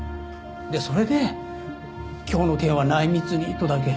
それで「今日の件は内密に」とだけ。